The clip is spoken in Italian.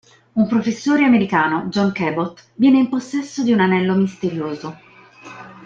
Un professore americano, John Cabot, viene in possesso di un anello misterioso.